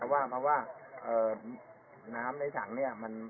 พุการของเอาเอาอะดมกันเลยหลายคนอ่า